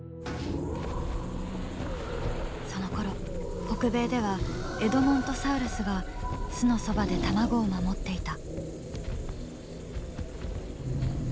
そのころ北米ではエドモントサウルスが巣のそばで卵を守っていた。